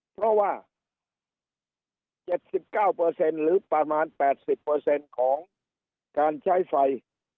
เพราะว่า๗๙หรือประมาณ๘๐ของการใช้ไฟ